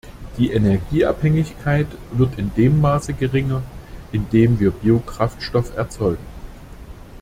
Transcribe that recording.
Die Energieabhängigkeit wird in dem Maße geringer, in dem wir Biokraftstoffe erzeugen.